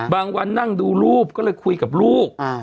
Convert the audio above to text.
วันนั่งดูรูปก็เลยคุยกับลูก